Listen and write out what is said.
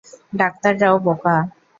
Doctor Rao বোকা!